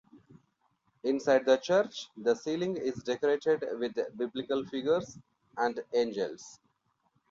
Inside the church, the ceiling is decorated with biblical figures and angels.